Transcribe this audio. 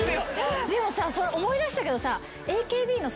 でも思い出したけどさ。